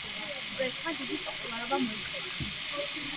პროექტმა დიდი პოპულარობა მოიხვეჭა.